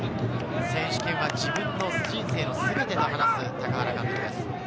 選手権は自分の人生の全てと話す高原監督です。